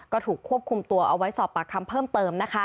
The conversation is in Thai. ก็ถูกควบคุมตัวเอาไว้สอบปากคำเพิ่มเติม